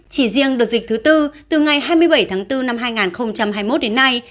chỉ riêng đợt dịch thứ tư từ ngày hai mươi bảy tháng bốn năm hai nghìn hai mươi một đến nay